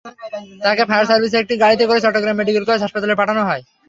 তাঁকে ফায়ার সার্ভিসের একটি গাড়িতে করে চট্টগ্রাম মেডিকেল কলেজ হাসপাতালে পাঠানো হয়।